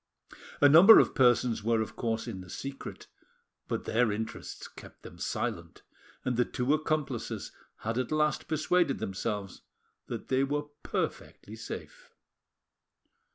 A number of persons were of course in the secret, but their interests kept them silent, and the two accomplices had at last persuaded themselves that they were perfectly safe.